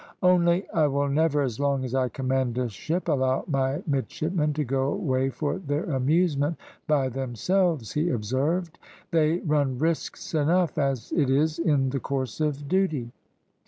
"Only I will never, as long as I command a ship, allow my midshipmen to go away for their amusement by themselves," he observed. "They run risks enough as it is in the course of duty."